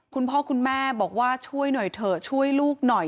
คุณพ่อคุณแม่บอกว่าช่วยหน่อยเถอะช่วยลูกหน่อย